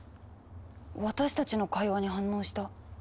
私たちの会話に反応した。